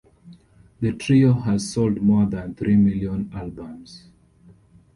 The trio has sold more than three million albums.